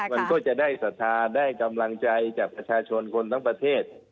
มันก็จะได้ศรัทธาได้กำลังใจจากประชาชนคนทั้งประเทศ